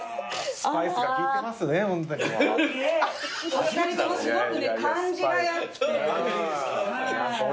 お二人ともすごくね感じがよくて。